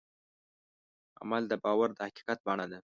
عمل د باور د حقیقت بڼه ده.